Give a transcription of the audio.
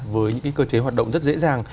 với những cơ chế hoạt động rất dễ dàng